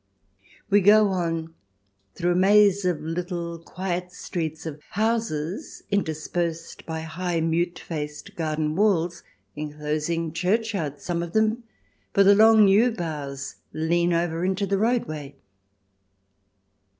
We go on through a maze of little quiet streets of houses interspersed by high mute faced garden walls, enclosing churchyards, some of them, for the long yew boughs lean over into the roadway.